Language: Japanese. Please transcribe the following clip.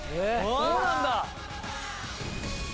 そうなんだ。